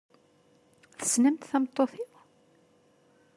Tessnemt tameṭṭut-iw?